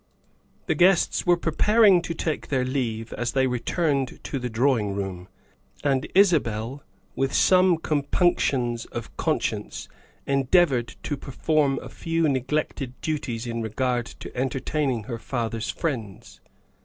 The guests were preparing to take their leave as they returned to the drawing room, and Isabel, with some compunctions of conscience, endeavored to perform a few neglected duties in regard to entertaining her father's friends.